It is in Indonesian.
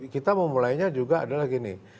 kita memulainya juga adalah gini